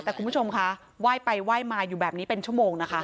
แต่คุณผู้ชมคะไหว้ไปไหว้มาอยู่แบบนี้เป็นชั่วโมงนะคะ